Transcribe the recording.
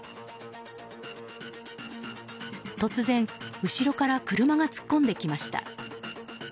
突然、後ろから車が突っ込んできました。